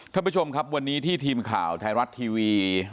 ท่านผู้ชมครับวันนี้ที่ทีมข่าวไทยรัฐทีวี